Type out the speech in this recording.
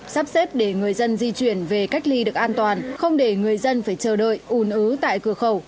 sắp xếp để người dân di chuyển về cách ly được an toàn không để người dân phải chờ đợi un ứ tại cửa khẩu